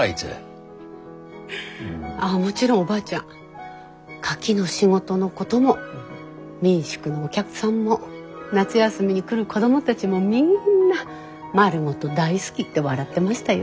ああもちろんおばあちゃんカキの仕事のことも民宿のお客さんも夏休みに来る子供たちもみんな丸ごと大好きって笑ってましたよ。